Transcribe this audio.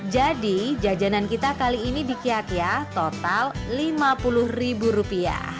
jadi jajanan kita kali ini di kiatia total rp lima puluh